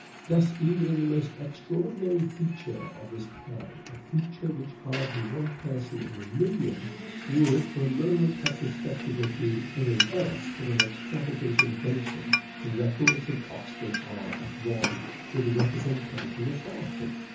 Thus even in the most extraordinary feature of this play ; a feature which hardly one person in a million would for a moment have suspected of being anything else but an extravagant invention, the records of Oxford are at one with the representation of Bertram.